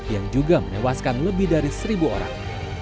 yang juga menewaskan lebih dari seribu orang